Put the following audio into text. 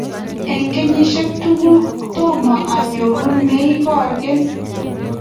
Eng kenyishiek tugul Tomo anyoru me ogergei